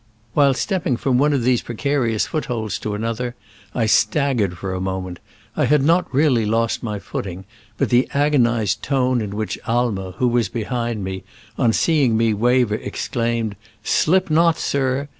While stepping from one of these precarious footholds to another, I stag gered for a moment. I had not really lost my footing, but the agonized tone in which Aimer, whb was behind me, on seeing me waver, exclaimed, "Slip not, sir!"